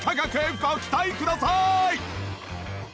ご期待ください！